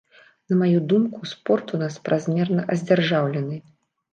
На маю думку, спорт у нас празмерна адзяржаўлены.